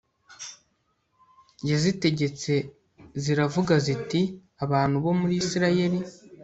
yazitegetse ziravuga ziti bantu bo muri Isirayeli